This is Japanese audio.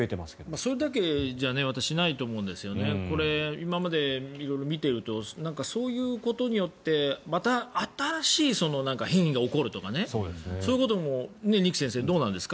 それだけじゃないと思うんですけどこれ、今まで見ているとそういうことによってまた新しい変異が起こるとかそういうことも二木先生どうなんですか？